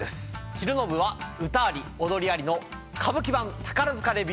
昼の部は歌あり踊りありの歌舞伎版宝塚レビュー